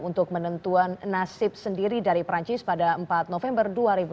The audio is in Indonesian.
untuk menentuan nasib sendiri dari perancis pada empat november dua ribu delapan belas